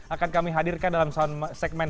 akan kami hadirkan dalam segmen